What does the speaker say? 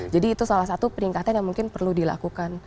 jadi itu salah satu peningkatan yang mungkin perlu dilakukan